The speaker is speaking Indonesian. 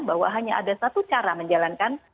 bahwa hanya ada satu cara menjalankan